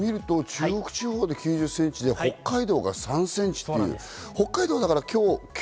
中国地方で９０センチで、北海道が３センチという。